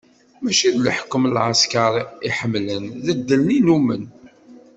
Mačči d leḥkem n lɛesker i ḥemmlen, d ddel i nnumen.